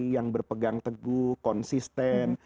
yang berpegang teguh konsisten